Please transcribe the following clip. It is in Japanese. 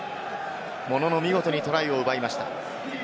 ものの見事にトライを奪いました。